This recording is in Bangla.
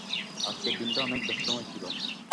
আজকের দিনটা অনেক ব্যস্তময় ছিল।